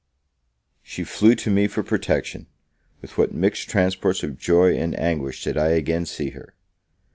She flew to me for protection. With what mixed transports of joy and anguish did I again see her!